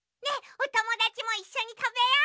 おともだちもいっしょにたべよう！